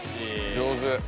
上手。